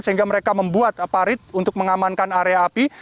sehingga mereka membuat parit untuk mengamankan area api